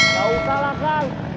gak usah lah kang